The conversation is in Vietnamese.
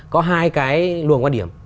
có hai cái luồng quan điểm